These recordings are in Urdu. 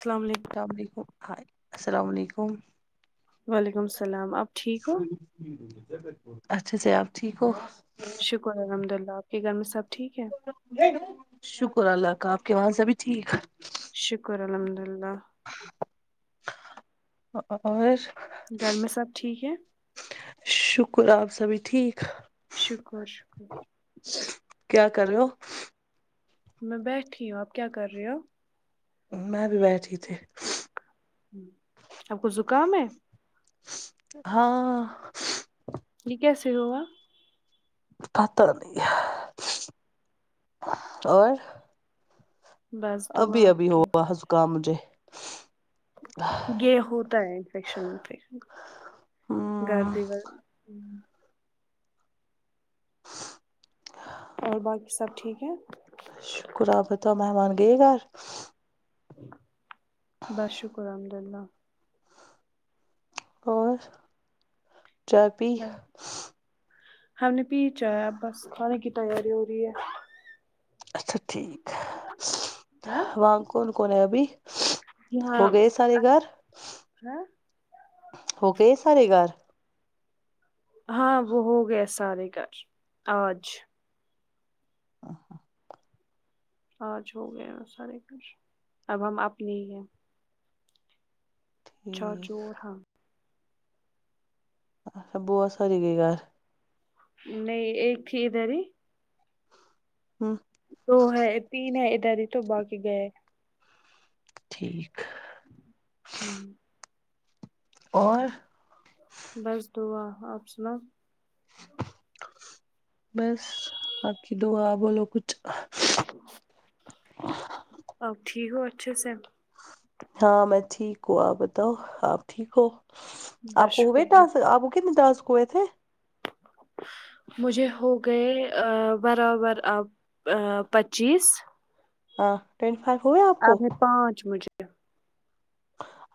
السلام علیکم السلام علیکم ہائے السلام علیکم وعلیکم السلام آپ ٹھیک ہو اچھا سے آپ ٹھیک ہو شکر الحمد للہ آپ کے گھر میں سب ٹھیک ہے شکر اللہ کا آپ ک وہا سب ہی ٹھیک شکر الحمد للہ ا ا اور گھر میں سب ٹھیک ہے شکر ہے آپ سبھی ٹھیک شکر شکر کیا کر رہے ہو میں بیٹھی ہوں آپ کیا کر رہے ہو میں بھی بیٹھی تھی آپ کو زکام ہے ہاں یہ کیسے ہوا پتہ نہیں ہے اور بس ابھی دعا ابھی آپ کی ہوا زکام مجھے یہ ہوتا ہے انفیکشن وفیکشن گرد ہمم اور باقی سب ٹھیک ہیں شکر آپ بتاؤ مہمان گئے گھر بس شکر الحمد اللہ اور چائے پی ہم نے پی چائے اب بس کھانے کی تیاری ہو رہی ہے اچھا ٹھیک ہاں وہاں کون کون ہے ابھی یہاں ہو گئے سارے گھر ہاں ہو گئے سارے گھر ہاں وہ ہوگئے سارے گھر آج آج ہو گئے ہیں سارے کام اب ہم اپنے ہی ہیں ٹھیک چاچو ہاں اچھا بہت ساری گئی گھر نہیں ایک تھی ادھر ہی ہاں دو ہے تین ہے ادھر ہی تو باقی گئے ٹھیک ہوں اور بس دعا آپ سنا بس آپ کی دعا بولو کچھ اپ ٹھیک ہو اچھے سے ہاں میں ٹھیک ہوں آپ بتاؤ آپ ٹھیک ہو بس آپ کو شکر ہوئے اللہ۔ تسک آپ کتنے تسک کے ہوئے تھے مجھے ہو گئے برابر آب پچیس ہاں ٹوینٹی فائیو ہوئے آپ کو اب ہے [unintelligible]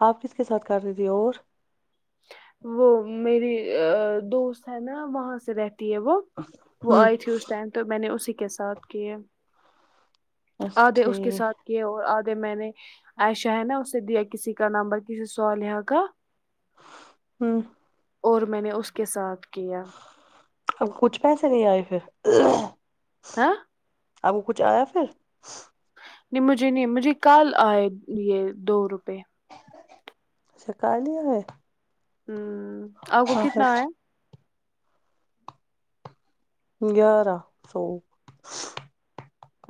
آپ کس کے ساتھ کر رہیں تھے اور وہ میری دوست ہے نا وہاں سے رہتی ہے وہ وہ ہوں آئی تھی اس ٹائم تو میں نے اسی کے ساتھ کیے اچھا آدھے اس کے ٹھیک ساتھ کہ اور آدھے میں نے عایشہ ہے نا اسے دیا کسی کا نمبر کسی صالحہ کا ہوں اور میں نے اس کے ساتھ کیا اب کچھ پیسے نہیں آئے پھر ہاں اب وہ کچھ آیا پھر نہیں مجھے نہیں مجھے کل آئے یہ دو روپے اچھا کل ہی آئے ہوں آپ کو کتنا آیا گیارہ سو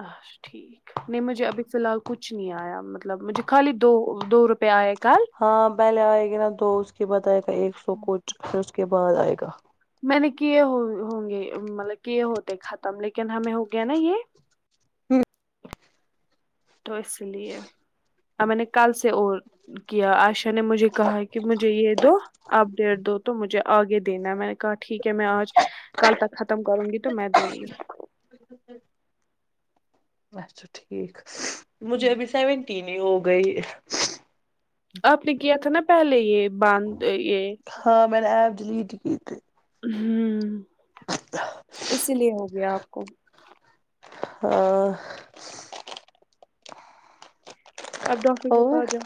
اچھا ٹھیک نہیں مجھے ابھی فی الحال کچھ نہیں آیا مطلب مجھے خالی دو دو روپ پہ آیا کل ہاں پہلے آئے گی نا دو اس کے بعد آئے گا ایک سو کچھ پھر اس کے بعد آئے گا میں نے کیے ہو ہوں گے مطلب کیے ہوتے ختم لیکن ہمیں ہو گیا نا یہ تو اس لیے اور میں نے کل سے اور کیا عائشہ نے مجھے کہا کہ مجھے یہ دو اپ ڈیدو تو مجھے آگے دینا ہے میں نے کہا ٹھیک ہے میں آج کل تک ختم کروں گی تو میں دوں گی [unintelligible] اچھا ٹھیک مجھے ابھی سیونٹین ہی ہو گئی آپ نے کیا تھا نا پہلے یہ باندھ یہ ہاں میں نے ایپ ڈیلیٹ کی تھی ہمم اسی لیے ہو گیا آپ کو ہاں اپ ڈاکٹر کے اور پاس جاک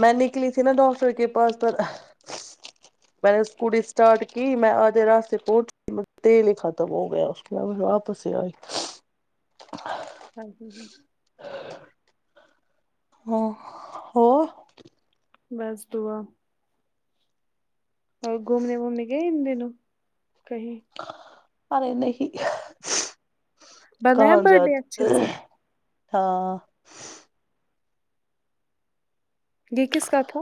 میں نکلی تھی نا ڈاکٹر کے پاس پر میں نے اسکوٹی اسٹارٹ کی میں آدھے راستے سے پہنچی تیل ہی ختم ہو گیا پھر واپس ہی آئے ہاں جی جی ہاں ہاں بس دعا اور گھومنے وومنے گئے ان دنوں کہیں ارے نہیں بنایا کہاں برتھ جات ڈے اچھے سے ہاں یہ کس کا تھا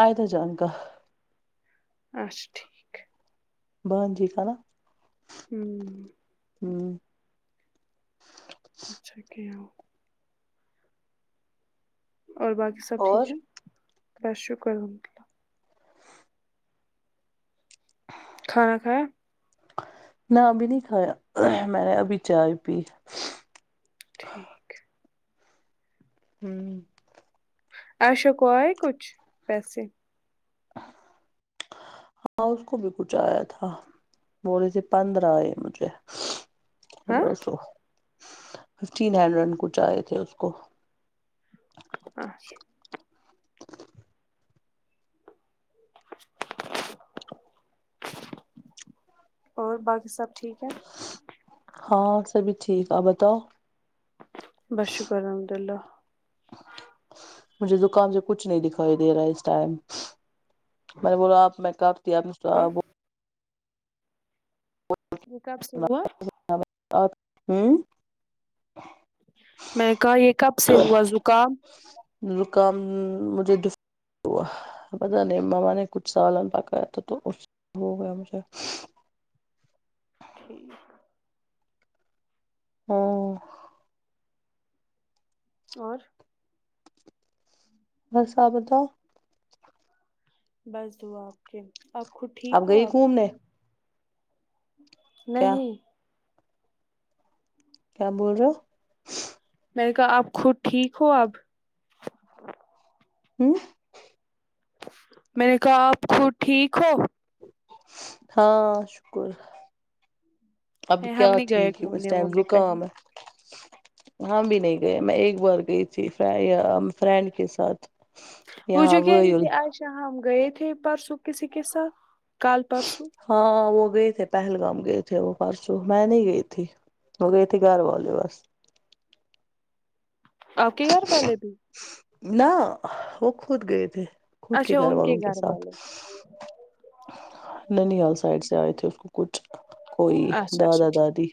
آئے تھے جان کا اچھا ٹھیک بند جی کر ہوں ہوں اچھا کیا اور باقی سب اور ٹھیک ہیں بس شکر الحمکہ کھانا کھایا نہ ابھی نہیں کھایا میں نے ابھی چائے پی ٹھیک ہے ہوں ایشا کو آئے کچھ پیسے جی ہاں اس کو بھی کچھ آیا تھا بول رہے پندرہ آئے مجھے ہاں پندرہ سو ففٹین ہینڈریڈ کچھ آئے تھے اس کو اچھا اور باجی سب ٹھیک ہے ہاں سبھی ٹھیک آپ بتاؤ بس شکر ہے الحمدللہ مجھے زکام سے کچھ نہیں دکھائی دے رہا اس ٹائم میں نے بولا آپ میں [unintelligible] یہ کب سے ہوا اور آپ ہمم میں نےکہا یہ کب سے ہوا زکام زکام مجھے کس تو پتہ نہیں مما نے کچھ سالن پکایا تھا تو اس ہو گیا مجھے ٹھیک ہاں اور بس آپ بتاؤ بس دعا آپ کے آپ خود ٹھیک ہو گئی آپ گھومنے کیا نہیں کیا بول رہے ہو میں نے کہا آپ خود ٹھیک ہو آپ ہوں میں نے کہا آپ خود ٹھیک ہو ہاں شکر اب کیا ہم نہیں گئے ٹھیک ہ اس گھومنے ٹائم وومنے زکام کہیں ہے ہم بھی نہیں گئے میں ایک بار گئی تھی فرینڈ کے ساتھ وہ جو یہاں کہہ رہی ویل تھی آج شام ہم گئے تھے پرسوں کسی کے ساتھ کل پرسوں ہاں وہ گئے تھے پہلگام گئے تھے وہ پرسوں میں نہیں گئی تھی ہو گئے تھے گھر وال لے بس آپ کہ گھر والے بھی نہ وہ خود گئے تھے خود کے اچھا گھر ان والوں کے ساتھ والے ننیاال سائڈ سے آئے تھے اس کو کچھ کوئی اچھا اچھا دادا دادی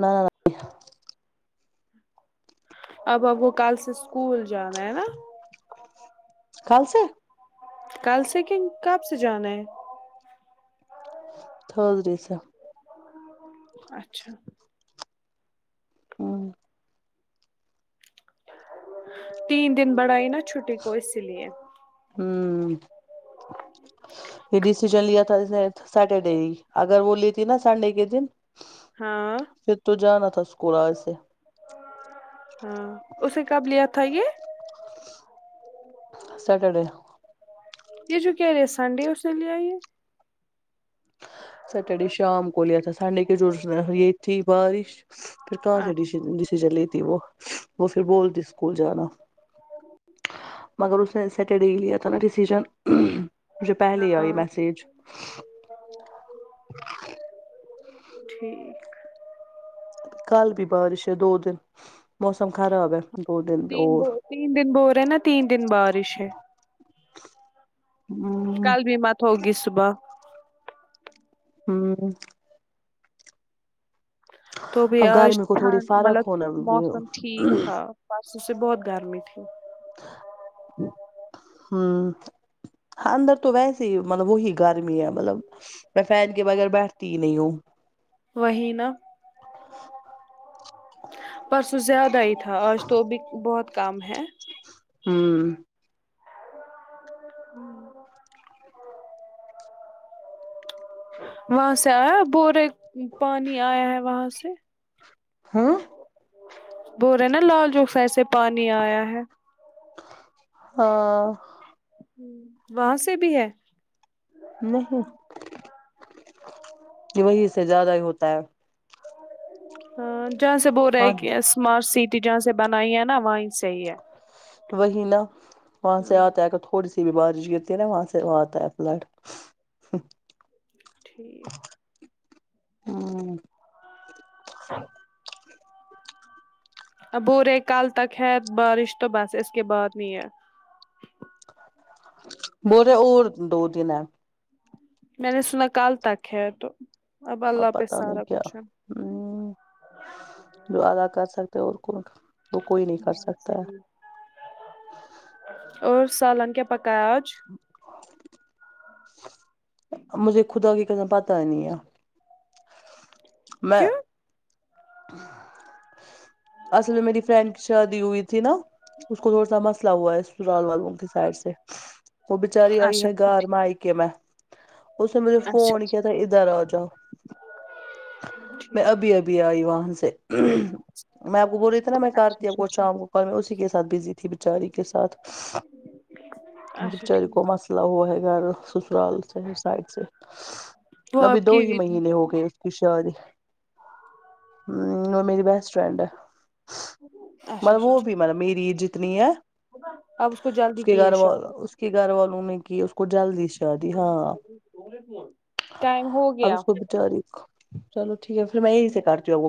نہ نہیں اب اب کو کل سے اسکول جانا ہے نا کل سے کل سے کہن کب سے جانا ہے تھرسڈے سے اچھا ہمم تین دن بڑھائی نا چھٹی کو اسی لیے ہوں یہ ڈیشیژن لیا تھا اس نے سٹرڈے اگر وہ لی تھی نا سنڈے کے دن ہاں پھر تو جانا تھا اسکول آج سے ہاں اسے کب لیا تھا یہ سیٹرڈے یہ جوک یہ سنڈے اس سے لیا یہ سٹرڈے شام کو لیا تھا سنڈے کے جو یہ تھی بارش پھر کہاں سے اچھا ڈسیژن لیتی وہ وہ پھر بولتی اسکول جانا مگر اس نے سیٹرڈے لیا تھا نا ڈسیجن مجھے پہلے آئی ہاں میسیج ٹھیک کل بھی بارش ہے دو دن موسم خراب ہے دو دن تین اور بو تین دن بول رہے نا تین دن بارش ہے ہ کل بھی مت ہوگی صبح ہاں تو بھی اب آج گرمی کو تھوڑی ٹھنڈ فرق مطلب ہونا موسم ٹھیک تھا پرسوں سے بہت گرمی تھی ہاں ہاں اندر تو ویسے ہی مطلب وہی گرمی ہے مطلب میں فین کے بغیر بیٹھتی ہی نہیں ہوں وہی نہ پرسوں زیادہ ہی تھا آج تو ا بھی بہت کم ہے ہوں ہوں وہاں سے آیا بورے پانی آیا ہے وہاں سے ہاں بول رہے ہیں نا لال چوک سے ایسے پانی آیا ہے ہاں وہاں سے بھی ہے نہیں کہ وہی سے زیادہ ہی ہوتا ہے ہاں جہاں سے بول رہے ہے ہاں کہ اسمارٹ سٹی جہاں سے بنائی ہے نا وہ سے ہی ہے وہی نا وہاں سے آتا ہے کہ تھ تھوڑی سی بھی بارش گتی ہے نا وہاں سے وہاں آتا ہے پلٹ ٹھیک ہوں اب بولرہے کل تک ہے بارش تو بس اس کے بعد نہیں ہے بول رے اور دو دن ہے میں نے سنا کل تک ہے تو اب اللہ پہ پتہ نہیں سارا کیا کچھ ہے ہمم دعا ہی کر سکتے ہیں اور کیا ہاں صحیح اور سالن کیا پکایا آج مجھے خدا کی قسم پتا نہیں ہے میں کیوں اصل میں میری فرینڈ کی شادی ہوئی تھی نا اس کو تھوڑا سا مسئلہ ہوا ہے سرال والوں کی سائڈ سے وہ بچاری آئی اچھا ہے اچھا گھر ٹھیک میکہ میں اس نے مجھے اچھا فون کیا اچھا تھا ادھر آ جاؤ میں ٹھیک ابھی ابھی بھی آئی وہاں سے میں آپ کو بول رہی تھی نا میں اچھا کرتی آب اچھا کو شام ٹھیک کو کال میں اسی کے ساتھ بزی تھی بچاری کے ساتھ مطب اچھا بچارے کو ٹھیک مسئلہ ہوا ہے گھر سسرال کے سائڈ سے وہ ابھی آپ دو کی ہی مہینے ہو گئے ہے کی شاری ہ وہ میری بیسٹ فرینڈ ہے اچھا مطلب اچھا وہ ٹھیک بھی مطلب میری ہی جتنی ہے اب اس کو جلد اس کے گھر وال اس کے گھر والوں نے کی اس کو جلدی شادی ہاں ٹائم ہو اب گیا اس کو بچاری چلو ٹھیک ہے پھر میں یہی سے کرتی ہوں وہ